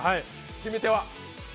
決め手は？